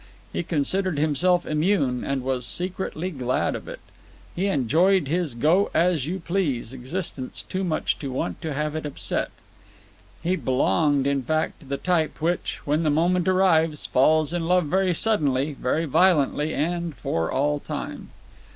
He considered himself immune, and was secretly glad of it. He enjoyed his go as you please existence too much to want to have it upset. He belonged, in fact, to the type which, when the moment arrives, falls in love very suddenly, very violently, and for all time.